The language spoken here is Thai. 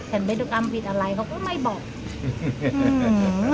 แข่นเวทยุกรรมผิดอะไรเขาก็ไม่บอกอือหือ